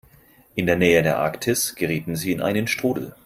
In der Nähe der Arktis gerieten sie in einen Strudel.